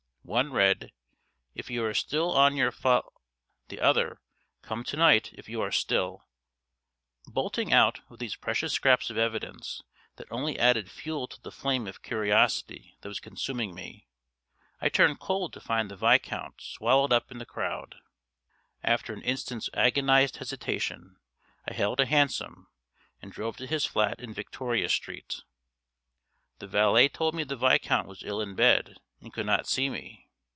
One read: "If you are still set on your fol "; the other: "Come to night if you are still " Bolting out with these precious scraps of evidence, that only added fuel to the flame of curiosity that was consuming me, I turned cold to find the Viscount swallowed up in the crowd. After an instant's agonised hesitation, I hailed a hansom, and drove to his flat in Victoria Street. The valet told me the Viscount was ill in bed, and could not see me.